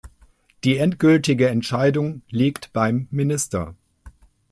Die endgültige Entscheidung liegt beim Minister.